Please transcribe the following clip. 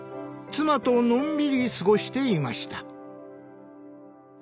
妻とのんびり過ごしていました。